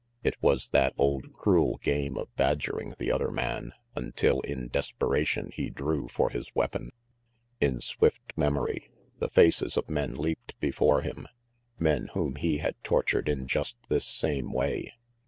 It was that old, cruel game of badgering RANGY PETE 341 the other man, until, in desperation, he drew for his weapon. In swift memory, the faces of men leaped before him, men whom he had tortured in just this same way.